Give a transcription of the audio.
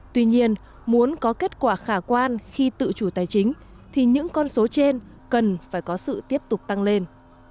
tuy nhiên muốn có kết quả khả quan khi tự chủ tài chính thì những con số trên cần phải có sự tiếp tục tăng lên